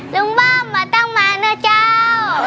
ลุงเบิ้บไม่ต้องมานะเจ้า